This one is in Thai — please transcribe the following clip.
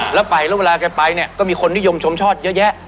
แล้วไปแล้วเวลาแกไปเนี่ยก็มีคนนิยมชมชอบเยอะแยะ